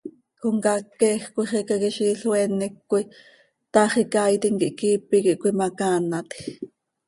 Comcaac queeej coi xicaquiziil oeenec coi, taax icaiitim quih quiipe quih cöimacaanatj.